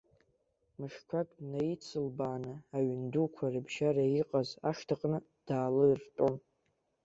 Мышқәак днаицылбааны аҩн дуқәа рыбжьара иҟаз ашҭаҟны даалыртәон.